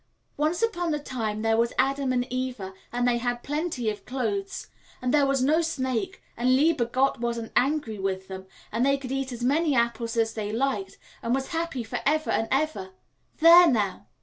Once upon a time there was Adam and Eva, and they had plenty of clothes, and there was no snake, and lieber Gott wasn't angry with them, and they could eat as many apples as they liked, and was happy for ever and ever there now!"